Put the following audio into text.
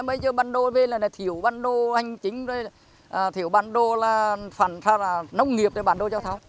bây giờ bản đồ về là thiểu bản đồ hành chính thiểu bản đồ là phản thân là nông nghiệp bản đồ cho tháo